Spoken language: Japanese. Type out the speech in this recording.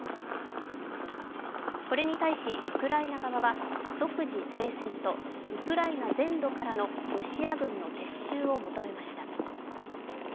これに対しウクライナ側は即時停戦とウクライナ全土からのロシア軍の撤収を求めました。